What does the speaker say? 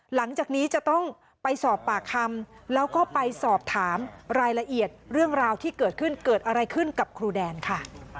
หลังจากนี้จะต้องไปสอบปากคำแล้วก็ไปสอบถามรายละเอียดเรื่องราวที่เกิดขึ้นเกิดอะไรขึ้นกับครูแดนค่ะ